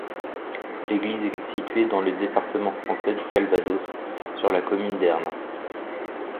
L'église est située dans le département français du Calvados, sur la commune d'Ernes.